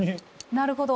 なるほど。